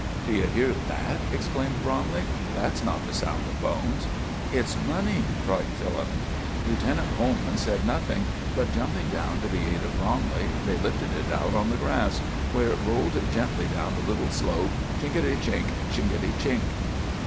"Do you hear that?" exclaimed Bromley. "That's not the sound of bones." "It's money!" cried Philip. Lieutenant Coleman said nothing, but jumping down to the aid of Bromley, they lifted it out on the grass, where it rolled gently down a little slope, chink a ty chink, chink a ty chink.